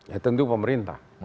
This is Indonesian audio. ya tentu pemerintah